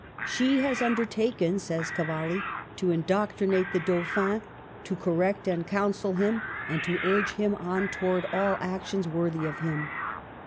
'* She has undertaken," says Cavalli, " to in doctrinate the Dauphin, to correct and counsel him, and to urge him on towards all actions worthy of him."